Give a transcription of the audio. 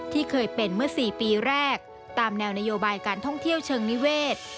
ที่เคยเป็นเมื่อ๔ปีแรกตามแนวนโยบายการท่องเที่ยวเชิงนิเวศ